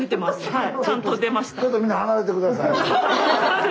はい。